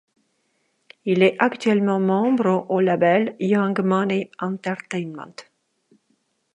Il est actuellement membre au label Young Money Entertainment.